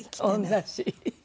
同じ。